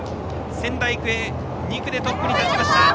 仙台育英、２区でトップに立ちました。